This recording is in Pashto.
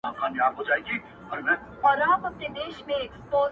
زما يتيـمي ارواح تـه غـــــوښـتې خـو”